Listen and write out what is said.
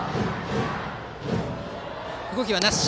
動きはなし。